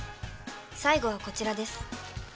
最後はこちらです。